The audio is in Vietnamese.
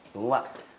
đúng không ạ